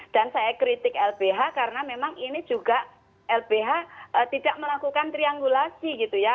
dan saya kritik lbh karena memang ini juga lbh tidak melakukan triangulasi gitu ya